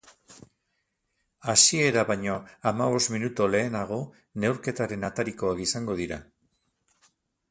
Hasiera baino hamabost minutu lehenago, neurketaren atarikoak izango dira.